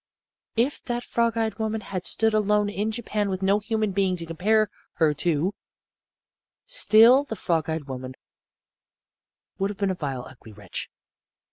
"If that frog eyed woman had stood alone in Japan with no human being to compare her to still the frog eyed woman would have been a vile, ugly wretch.